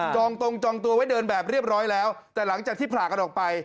องตรงจองตัวไว้เดินแบบเรียบร้อยแล้วแต่หลังจากที่ผ่ากันออกไป